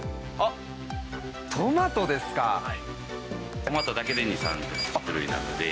トマトだけで２０３０種類なので。